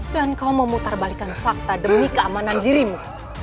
dan kau memutarbalikan fakta demi keamanan dirimu